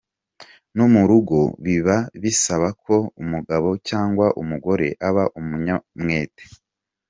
No mu rugo biba bisaba ko umugabo cyangwa umugore aba umunyamwete.